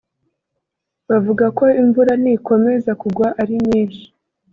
bavuga ko imvura nikomeza kugwa ari nyinshi